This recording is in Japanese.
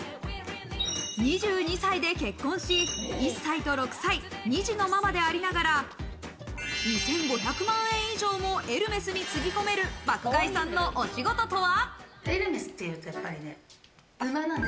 ２２歳で結婚し、１歳と６歳、２児のママでありながら、２５００万円以上もエルメスにつぎ込める爆買いさんのお仕事とは？